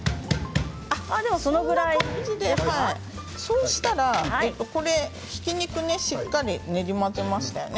そんな感じで、そうしたらひき肉、しっかり練り混ぜましたよね。